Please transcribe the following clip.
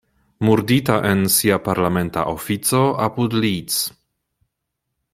Murdita en sia parlamenta ofico apud Leeds.